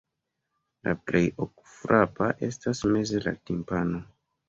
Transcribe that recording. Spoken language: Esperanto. La plej okulfrapa estas meze la timpano.